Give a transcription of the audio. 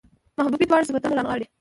محبوبې دواړه صفتونه رانغاړي